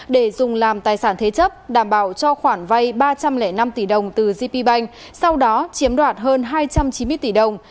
để dùng làm tài sản thế chấp đảm bảo cho khoản vay ba trăm linh năm tỷ đồng từ gp bank sau đó chiếm đoạt hơn hai trăm chín mươi tỷ đồng